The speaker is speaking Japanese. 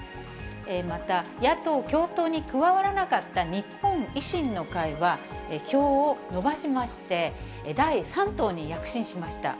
また野党共闘に加わらなかった日本維新の会は票を伸ばしまして、第３党に躍進しました。